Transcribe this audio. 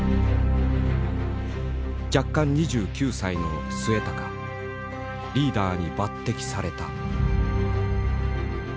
弱冠２９歳の末高リーダーに抜てきされた。